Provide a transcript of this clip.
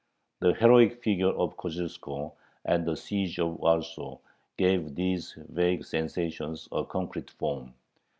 The heroic figure of Kosciuszko and the siege of Warsaw gave these vague sensations a concrete form.